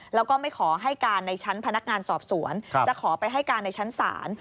แล้วก็ไม่ขอให้การในชั้นพนักงานสอบสวนจะขอไปให้การในชั้นศาล